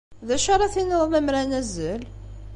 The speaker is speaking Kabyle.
D acu ara tiniḍ lemmer ad nazzel?